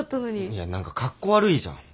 いや何かかっこ悪いじゃん。